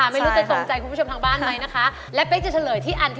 รสต้มหย่ำกุ้งราคาอยู่ที่